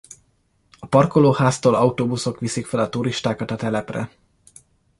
A parkolóháztól autóbuszok viszik fel a turistákat a telepre.